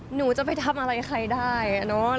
หนูจะไปทำอะไรใครได้เนอะ